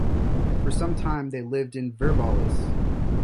For some time they lived in Virbalis.